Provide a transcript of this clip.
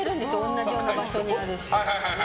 同じような場所にある人。